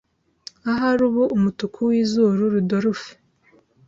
Ahari ubu umutuku wizuru Rudolph